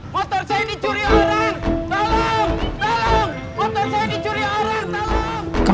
motor saya dicuri orang